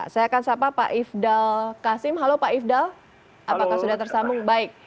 saya akan sapa pak ifdal kasim halo pak ifdal apakah sudah tersambung baik